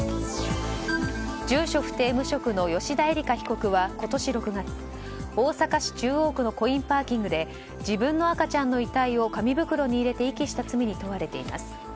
住所不定・無職の吉田絵里佳被告は今年６月、大阪市中央区のコインパーキングで自分の赤ちゃんの遺体を紙袋に入れて遺棄した罪に問われています。